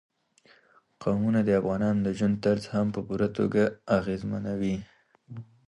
قومونه د افغانانو د ژوند طرز هم په پوره توګه اغېزمنوي.